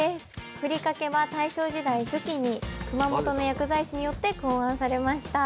ふりかけは大正時代初期に熊本の薬剤師によって考案されました。